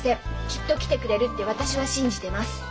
きっと来てくれるって私は信じてます。